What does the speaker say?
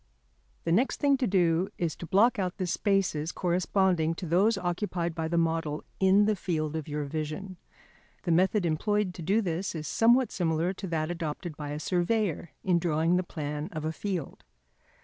] The next thing to do is to block out the spaces corresponding to those occupied by the model in the field of your vision. The method employed to do this is somewhat similar to that adopted by a surveyor in drawing the plan of a field.